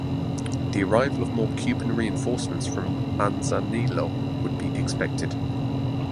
The arrival of more Cuban reinforcements from Manzanillo would be expected.